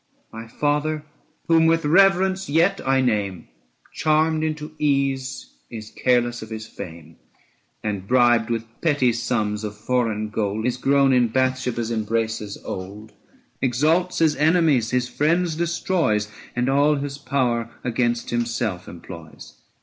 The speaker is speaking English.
107 My father, whom with reverence yet I name, Charmed into ease, is careless of his fame, And, bribed with petty sums of foreign gold, Is grown in Bathsheba's embraces old; 710 Exalts his enemies, his friends destroys, And all his power against himself employs.